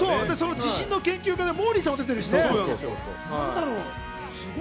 地震の研究家でモーリーさんも出てるからね。